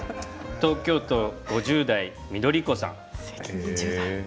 東京都５０代の方です。